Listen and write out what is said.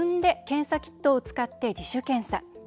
検査キットを使って自主検査。